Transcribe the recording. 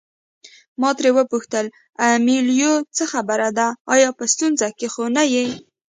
ما ترې وپوښتل امیلیو څه خبره ده آیا په ستونزه کې خو نه یې.